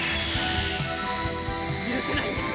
許せない！